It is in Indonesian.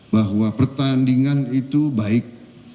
bahwa pertandingan itu baik